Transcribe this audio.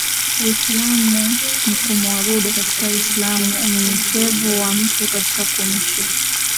Uislamu ni kumuabudu Katika Uislam unyenyekevu wa mtu katika kumcha